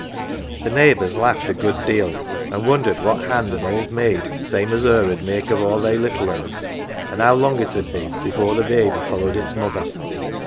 The neighbours laughed a good 148 AUNT JINNY deal, and wondered what hand an old maid " same as her \id make of all they little 'uns," and " how long it "ud be before the baby followed its mother."